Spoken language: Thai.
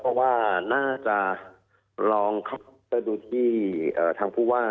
เพราะว่าน่าจะลองเข้าไปดูที่ทางผู้ว่า